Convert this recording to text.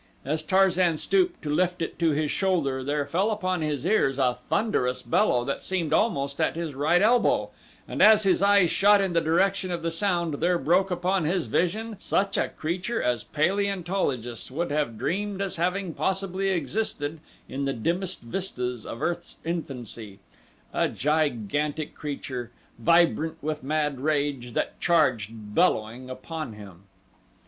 As Tarzan stooped to lift it to his shoulder there fell upon his ears a thunderous bellow that seemed almost at his right elbow, and as his eyes shot in the direction of the sound, there broke upon his vision such a creature as paleontologists have dreamed as having possibly existed in the dimmest vistas of Earth's infancy a gigantic creature, vibrant with mad rage, that charged, bellowing, upon him.